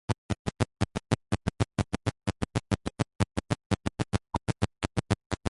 Neĝo vidiĝas vintre nur sur la ĉirkaŭaj montoj.